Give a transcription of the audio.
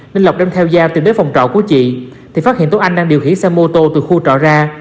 nên lộc đem theo dao tìm đến phòng trọ của chị thì phát hiện tuấn anh đang điều khiển xe mô tô từ khu trọ ra